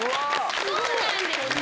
そうなんですよ！